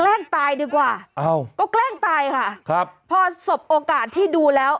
ตายดีกว่าอ้าวก็แกล้งตายค่ะครับพอสบโอกาสที่ดูแล้ว